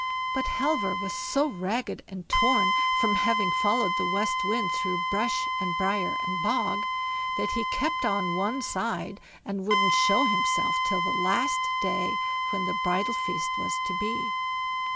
But Halvor was so ragged and torn from having followed the West Wind through bush and brier and bog, that he kept on one side, and wouldn't show himself till the last day when the bridal feast was to be.